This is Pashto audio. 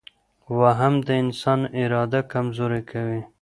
وهم د انسان اراده کمزورې کوي.